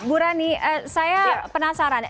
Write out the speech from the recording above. burani saya penasaran